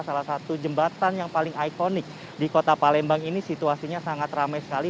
salah satu jembatan yang paling ikonik di kota palembang ini situasinya sangat ramai sekali